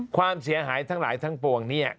ความเสียหายทั้งหลายทั้งปวงเนี่ย